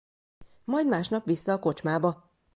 Majd másnap vissza a kocsmába...